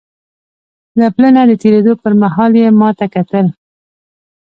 له پله نه د تېرېدو پر مهال یې ما ته کتل.